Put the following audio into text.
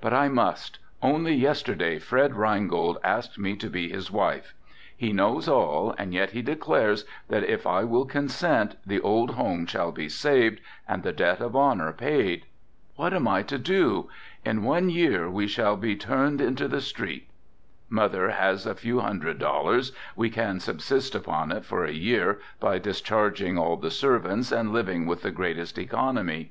but I must, only yesterday Fred Reingold asked me to be his wife. He knows all and yet he declares that if I will consent, the old home shall be saved and the debt of honor paid. What am I to do? In one year we shall be turned into the street. Mother has a few hundred dollars, we can subsist upon it for a year by discharging all the servants and living with the greatest economy.